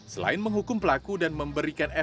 selain menghukum pelaku dan memberikan efek